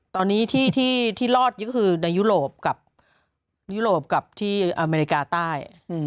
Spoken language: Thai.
ตอนนี้ที่รอดก็คือในยุโรปกับยุโรปกับที่อเมริกาใต้